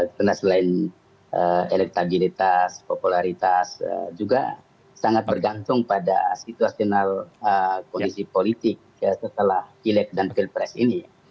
karena selain elektabilitas popularitas juga sangat bergantung pada situasional kondisi politik setelah pileg dan pilpres ini